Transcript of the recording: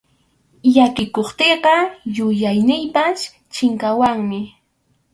Llakikuptiyqa yuyayniypas chinkawanmi.